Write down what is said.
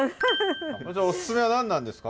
こちらおすすめは何なんですか？